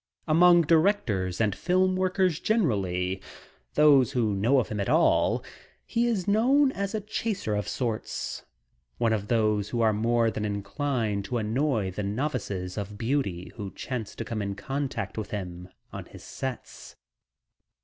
Among directors and film workers generally, those who know of him at all, he is known as a "chaser" of sorts, one of those who are more than inclined to annoy the novices of beauty who chance to come in contact with him on his sets.